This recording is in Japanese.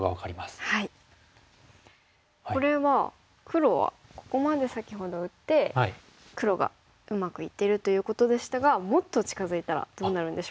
これは黒はここまで先ほど打って黒がうまくいってるということでしたがもっと近づいたらどうなるんでしょうか？